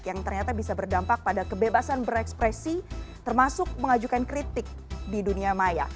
yang ternyata bisa berdampak pada kebebasan berekspresi termasuk mengajukan kritik di dunia maya